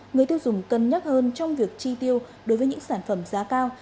người tiêu dùng cân nhắc hơn trong việc chi tiêu đối với những sản phẩm giá cao